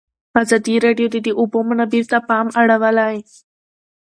ازادي راډیو د د اوبو منابع ته پام اړولی.